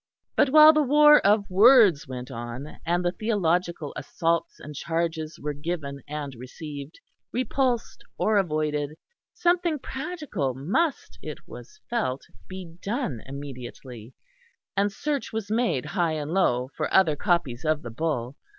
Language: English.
But while the war of words went on, and the theological assaults and charges were given and received, repulsed or avoided, something practical must, it was felt, be done immediately; and search was made high and low for other copies of the Bull.